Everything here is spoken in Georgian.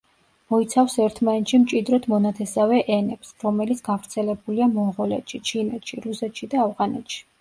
მოიცავს ერთმანეთში მჭიდროდ მონათესავე ენებს, რომელიც გავრცელებულია მონღოლეთში, ჩინეთში, რუსეთში და ავღანეთში.